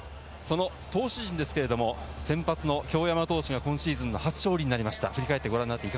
投手陣ですけど先発の京山投手が今シーズン初勝利となりました。